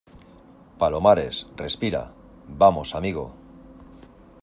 palomares, respira. vamos , amigo .